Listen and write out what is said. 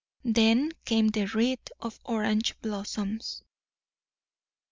Then came the wreath of orange blossoms!